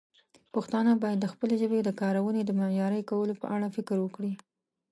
پښتانه باید د خپلې ژبې د کارونې د معیاري کولو په اړه فکر وکړي.